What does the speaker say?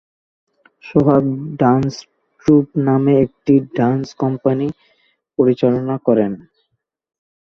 সোহাগ dance troupe নামে একটি dance company পরিচালনা করেন।